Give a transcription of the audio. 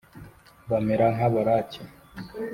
bamera nka baraki